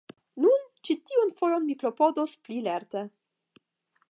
Nu, ĉi tiun fojon mi klopodos pli lerte.